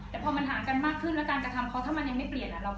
แต่พอมันห่างกันมากขึ้นแล้วการกระทำเขาถ้ามันยังไม่เปลี่ยน